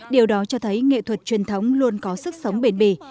điều đó cho thấy nghệ thuật truyền thống luôn có sức sống bền bì